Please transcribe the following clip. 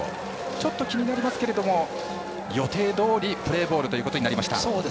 ちょっと気になりますけど予定どおりプレーボールとなりました。